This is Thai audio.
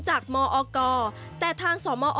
จากมอกแต่ทางสมอ